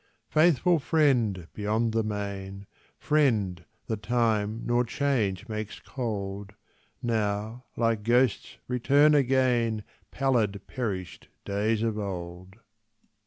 Faithful friend beyond the main, Friend that time nor change makes cold; Now, like ghosts, return again Pallid, perished days of old.